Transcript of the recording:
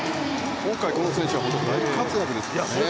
今回、この選手は大活躍ですね。